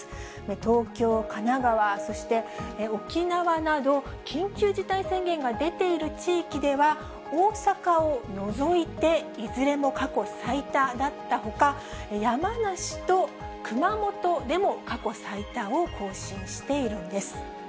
東京、神奈川、そして沖縄など、緊急事態宣言が出ている地域では、大阪を除いて、いずれも過去最多だったほか、山梨と熊本でも過去最多を更新しているんです。